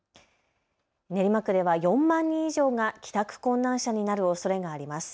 練馬区では４万人以上が帰宅困難者になるおそれがあります。